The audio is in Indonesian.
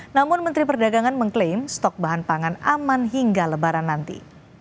namun menteri perdagangan mengklaim stok bahan pangan aman hingga lebaran nanti